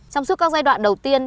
trong suốt các giai đoạn đầu tiên